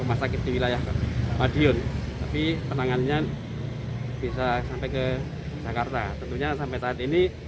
rumah sakit di wilayah madiun tapi penanganannya bisa sampai ke jakarta tentunya sampai saat ini